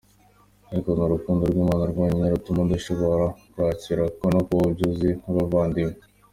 Ariko ni urukundo rw’Imana rwonyine rutuma dushobora kwakira no kubaho byuzuye nk’abavandimwe.